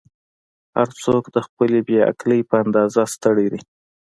"هر څوک د خپلې بې عقلۍ په اندازه ستړی دی.